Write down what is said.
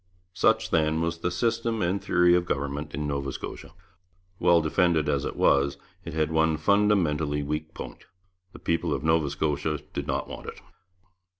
Such, then, was the system and theory of government in Nova Scotia. Well defended as it was, it had one fundamentally weak point: the people of Nova Scotia did not want it.